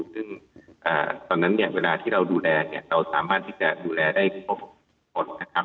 ซึ่งตอนนั้นเวลาที่เราดูแลเราสามารถที่จะดูแลได้ครบขนนะครับ